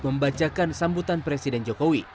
membacakan sambutan presiden jokowi